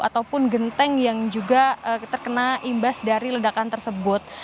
ataupun genteng yang juga terkena imbas dari ledakan tersebut